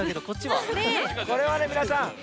これはねみなさん